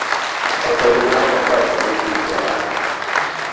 Gaurko eguna hotza eta eguzkitsua da